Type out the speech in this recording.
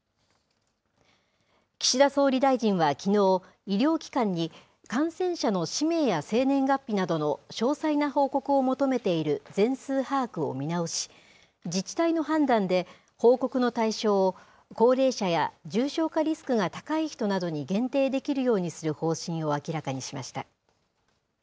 岸田総理大臣はきのう、医療機関に感染者の氏名や生年月日などの詳細な報告を求めている全数把握を見直し、自治体の判断で報告の対象を、高齢者や重症化リスクが高い人などに限定できるようにする方針を明らかにしました。